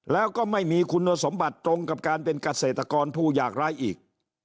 แล้วก็ไม่มีคุณสมบัติตรงกับการเป็นเกษตรกรผู้อยากร้ายอีก